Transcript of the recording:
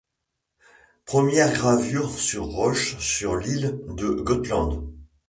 Premières gravures sur roche sur l’île de Gotland.